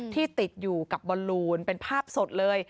ติดอยู่กับบอลลูนเป็นภาพสดเลย